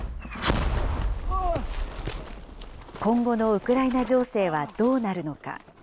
今後のウクライナ情勢はどうなるのか。